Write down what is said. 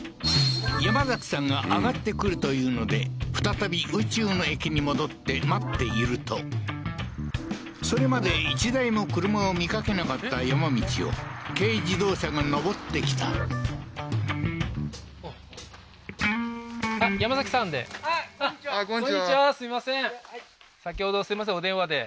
山崎さんが上がってくるというので再び宇宙の駅に戻って待っているとそれまで１台も車を見かけなかった山道を軽自動車が上ってきたすいません